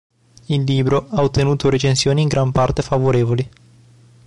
Il libro ha ottenuto recensioni in gran parte favorevoli.